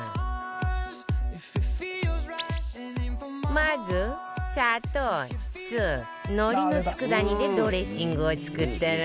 まず砂糖酢のりの佃煮でドレッシングを作ったら